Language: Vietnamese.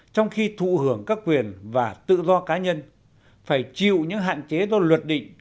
tưởng các quyền và tự do cá nhân phải chịu những hạn chế do luật định